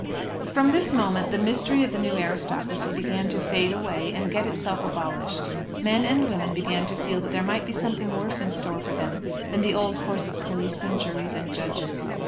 From this moment the mystery of the new aristocracy began to fade away, and get itself abolished. Men and women began to feel that there might be something worse in store for them than the old course of policemen, juries, and judges.